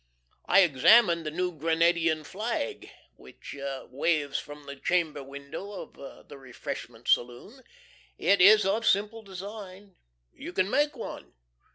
I examine the New Grenadian flag, which waves from the chamber window of the refreshment saloon. It is of simple design. You can make one.